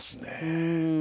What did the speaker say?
うん。